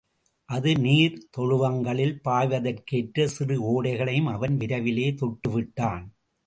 அந்த நீர் தொழுவங்களில் பாய்வதற்கேற்ற சிறு ஓடைகளையும் அவன் விரைவிலே தொட்டுவிட்டான்.